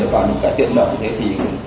và những cái tiện nợ như thế thì